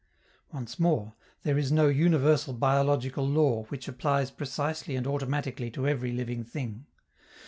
Once more, there is no universal biological law which applies precisely and automatically to every living thing.